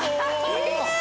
えっ！？